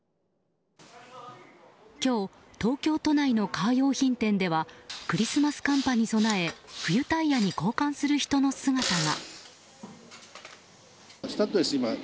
今日、東京都内のカー用品店ではクリスマス寒波に備え冬タイヤに交換する人の姿が。